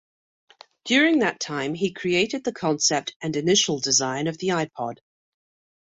During that time, he created the concept and initial design of the iPod.